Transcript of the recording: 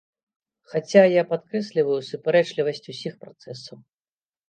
Хаця я падкрэсліваю супярэчлівасць усіх працэсаў.